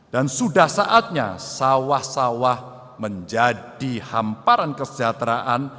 dan sudah saatnya sawah sawah menjadi hamparan kesejahteraan